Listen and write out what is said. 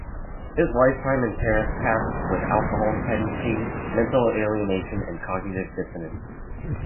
His lifetime in Paris passed with alcohol dependency, mental alienation and cognitive dissonance.